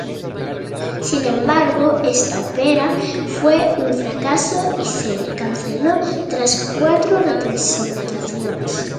Sin embargo, esta ópera fue un fracaso y se canceló tras cuatro representaciones.